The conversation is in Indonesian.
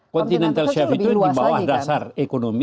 continental shift itu di bawah dasar ekonomi